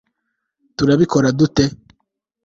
turabikora dute